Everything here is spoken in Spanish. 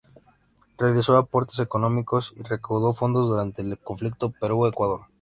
Realizó aportes económicos y recaudó fondos durante el Conflicto Perú-Ecuador.